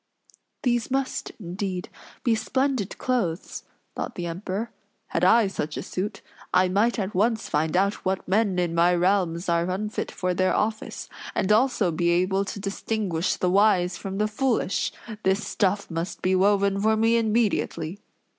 "These must, indeed, be splendid clothes!" thought the Emperor. "Had I such a suit, I might at once find out what men in my realms are unfit for their office, and also be able to distinguish the wise from the foolish! This stuff must be woven for me immediately."